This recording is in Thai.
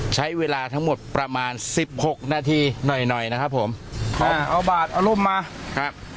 ใช้เวลาทั้งหมดประมาณสิบหกนาทีหน่อยหน่อยนะครับผมครับเอาบาทเอาร่มมาครับ